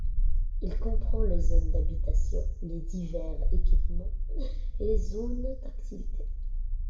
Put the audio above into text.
Il comprend les zones d'habitation, les divers équipements, et les zones d'activités.